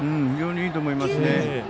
非常にいいと思いますね。